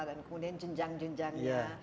dan kemudian jenjang jenjangnya